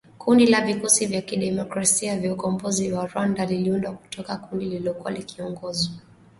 Kundi la Vikosi vya Kidemokrasia vya Ukombozi wa Rwanda liliundwa kutoka kundi lililokuwa likiongozwa na Generali Bosco Ntaganda,